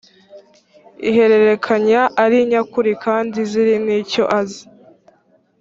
ihererekanya ari nyakuri kandi ziri n icyo azi